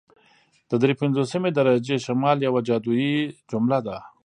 د دري پنځوسمې درجې شمال یوه جادويي جمله ده